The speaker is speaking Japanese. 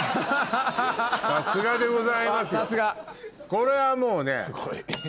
これはもうね。